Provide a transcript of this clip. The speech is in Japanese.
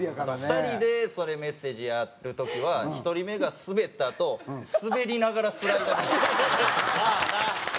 ２人でそれメッセージやる時は１人目がスベったあとスベりながらスライド。